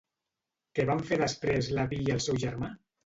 Què van fer després Leví i el seu germà?